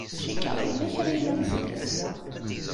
Cikkeɣ yella kra ay la nzeggel da.